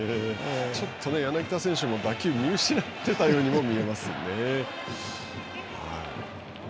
ちょっと柳田選手も打球を見失ってたようにも見えますね。